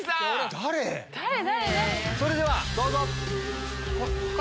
誰⁉それではどうぞ！